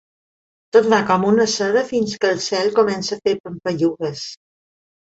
Tot va com una seda fins que el cel comença a fer pampallugues.